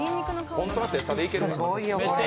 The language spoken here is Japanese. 本当はてっさでいけるから。